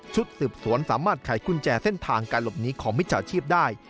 สืบสวนสามารถไขกุญแจเส้นทางการหลบหนีของมิจฉาชีพได้